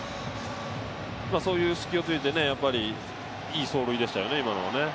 そういう隙を突いて、いい走塁でしたよね、今のは。